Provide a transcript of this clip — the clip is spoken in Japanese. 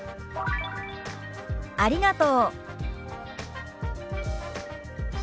「ありがとう」。